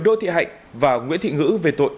đô thị hạnh và nguyễn thị ngữ về tội